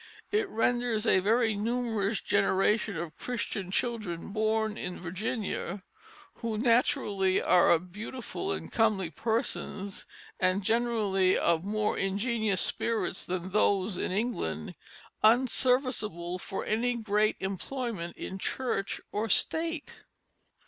It renders a very numerous generation of Christian's Children born in Virginia, who naturally are of beautiful and comely Persons, and generally of more ingenious Spirits than those in England, unserviceable for any great Employment in Church or State."